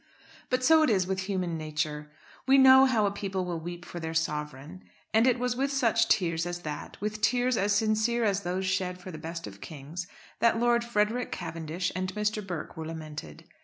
But so it is with human nature. We know how a people will weep for their Sovereign, and it was with such tears as that, with tears as sincere as those shed for the best of kings, that Lord Frederick Cavendish and Mr. Burke were lamented.